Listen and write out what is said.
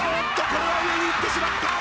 これは上に行ってしまった。